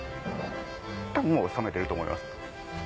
多分もう冷めてると思います。